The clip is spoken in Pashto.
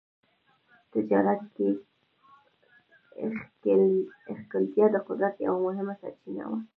تجارت کې ښکېلتیا د قدرت یوه مهمه سرچینه وه.